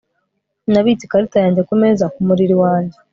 Nabitse ikarita yanjye kumeza kumuriri wanjye